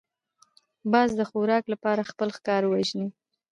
باز د خوراک لپاره خپل ښکار وژني